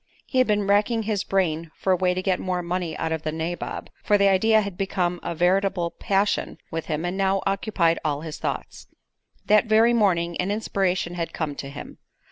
He had been racking his brain for a way to get more money out of the nabob, for the idea had become a veritable passion with him and now occupied all his thoughts. That very morning an inspiration had come to him.